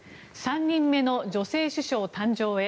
３人目の女性首相誕生へ。